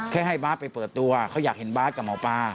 ให้บาทไปเปิดตัวเขาอยากเห็นบาทกับหมอปลา